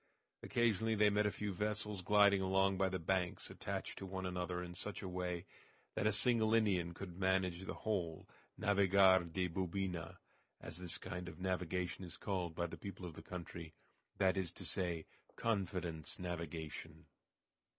Occasionally they met a few vessels gliding along by the banks attached one to another in such a way that a single Indian could manage the whole "navigar de bubina," as this kind of navigation is called by the people of the country, that is to say, "confidence navigation."